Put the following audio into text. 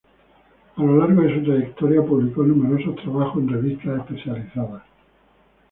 A lo largo de su trayectoria, publicó numerosos trabajos en revistas especializadas.